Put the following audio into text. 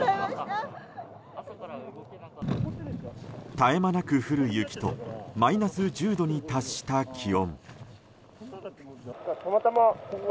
絶え間なく降る雪とマイナス１０度に達した気温。